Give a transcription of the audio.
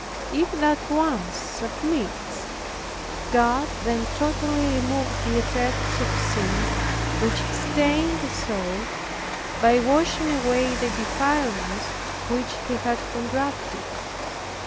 If that once submits, God then totally removes the effects of sin, which stain the soul, by washing away the defilements which he has contracted.